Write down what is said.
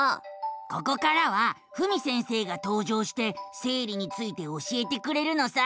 ここからはふみ先生がとう場して生理について教えてくれるのさ。